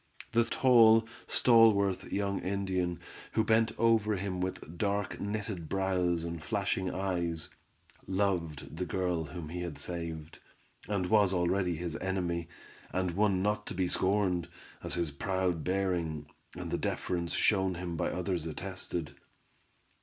The tall, stalwart, young Indian, who bent over him with dark, knitted brows and flashing eyes, loved the girl whom he had saved, and was already his enemy, and one not to be scorned, as his proud bearing, and the deference shown him by others attested.